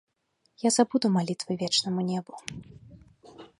Я забуду малітвы вечнаму небу.